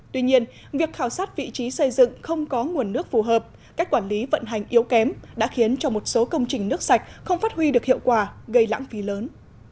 tuy nhiên việc khảo sát vị trí xây dựng không có nguồn nước phù hợp cách quản lý vận hành yếu kém đã khiến cho một số công trình nước sạch không phát huy được hiệu quả gây lãng phí lớn